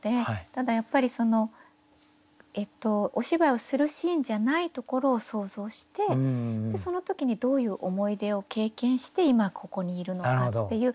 ただやっぱりそのお芝居をするシーンじゃないところを想像してその時にどういう思い出を経験して今ここにいるのかっていう。